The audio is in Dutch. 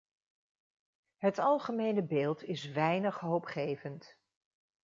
Het algemene beeld is weinig hoopgevend.